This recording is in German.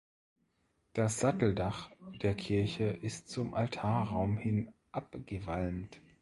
Das Satteldach der Kirche ist zum Altarraum hin abgewalmt.